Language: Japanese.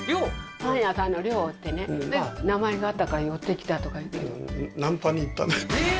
パン屋さんの寮居ってねで名前があったから寄って来たとか言ってるナンパに行ったええー